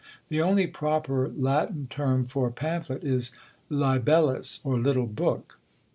The only proper Latin term for a Pamphlet is Libellus, or little book.